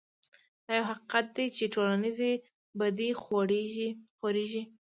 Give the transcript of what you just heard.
دا يو حقيقت دی چې ټولنيزې بدۍ خورېږي.